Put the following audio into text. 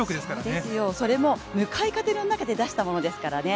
そうですよ、それも向かい風の中で出したものですからね。